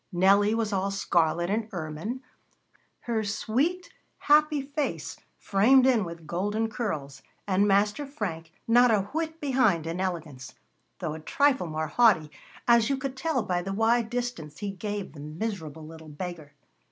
Nellie was all scarlet and ermine, her sweet, happy face framed in with golden curls, and Master Frank not a whit behind in elegance, though a trifle more haughty, as you could tell by the wide distance he gave the miserable little beggar.